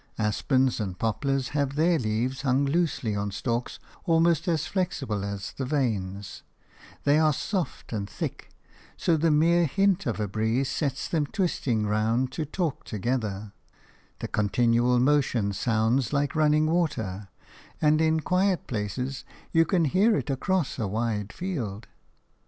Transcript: Aspens and poplars have their leaves hung loosely on stalks almost as flexible as the veins; they are soft and thick, so the mere hint of a breeze sets them twisting round to talk together; the continual motion sounds like running water, and in a quiet place you can hear it across a wide field.